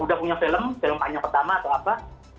udah punya film film panjang pertama atau apa